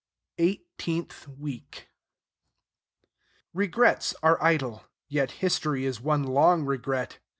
EIGHTEENTH WEEK Regrets are idle; yet history is one long regret.